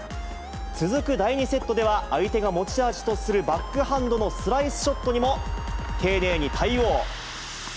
続く第２セットでは、相手が持ち味とするバックハンドのスライスショットにも丁寧に対応。